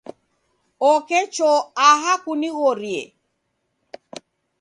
Oke choo aha kunighorie.